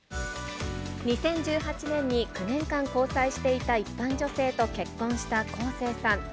２０１８年に９年間交際していた一般女性と結婚した昴生さん。